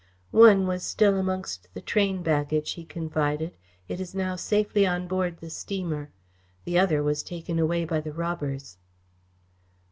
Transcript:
"One was still amongst the train baggage," he confided. "It is now safely on board the steamer. The other was taken away by the robbers."